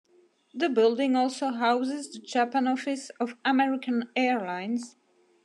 The building also houses the Japan office of American Airlines.